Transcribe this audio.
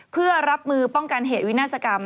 เพื่อรับมือป้องกันเหตุวินาศกรรม